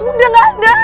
udah gak ada